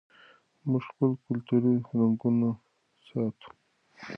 موږ خپل کلتوري رنګونه ساتو.